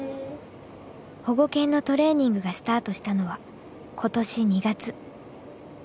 保護犬のトレーニングがスタートしたのは今年２月。